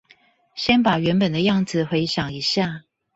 先把原本的樣子回想一下